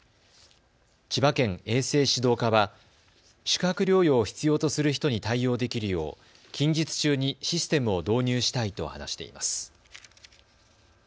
千葉県衛生指導課は宿泊療養を必要とする人に対応できるよう近日中にシステムを導入したいと話しています。